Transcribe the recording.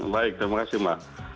baik terima kasih mbak